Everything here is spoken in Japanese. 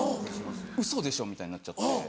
「ウソでしょ⁉」みたいになっちゃって。